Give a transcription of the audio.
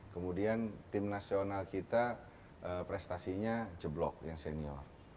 kemudian tim nasional kita prestasinya jeblok yang senior